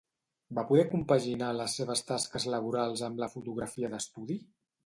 Va poder compaginar les seves tasques laborals amb la fotografia d'estudi?